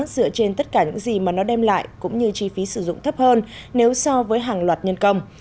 dựa trên tất cả những gì mà nó đem lại cũng như chi phí sử dụng thấp hơn nếu so với hàng loạt nhân công